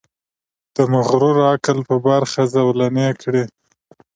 د مغرور عقل په برخه زولنې کړي.